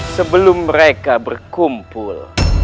sebelum mereka berkumpul